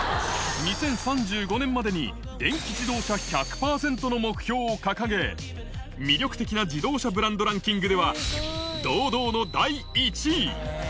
２０３５年までに電気自動車１００％の目標を掲げ、魅力的な自動車ブランドランキングでは堂々の第１位。